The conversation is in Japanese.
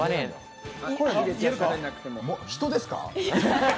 人ですか？